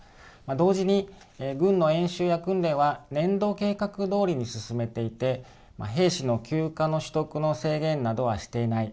同時に軍の演習や訓練は年度計画どおりに進めていて兵士の休暇の取得の制限などはしていない。